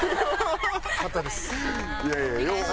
いやいや。